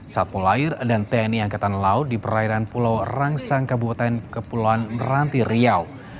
satpol air dan tni angkatan laut di perairan pulau rangsang kabupaten kepulauan meranti riau